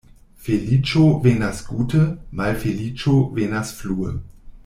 Feliĉo venas gute, malfeliĉo venas flue.